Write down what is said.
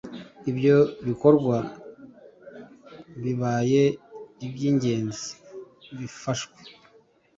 ibyo bikorwa bibaye iby’ingenzi bifashwe